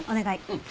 うん。